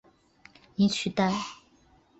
以取代。